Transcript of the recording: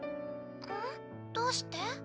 どうして？